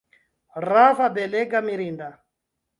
Rava, belega, mirinda!